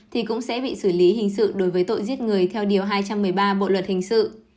thì cũng sẽ bị xử lý hình sự đối với tội giết người theo điều hai trăm một mươi ba bộ luật hình sự